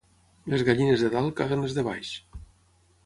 Les gallines de dalt caguen les de baix.